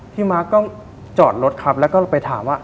มาร์คก็จอดรถครับแล้วก็ไปถามว่า